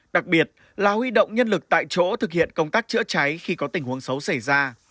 đặc biệt là huy động nhân lực tại chỗ thực hiện công tác chữa cháy khi có tình huống xấu xảy ra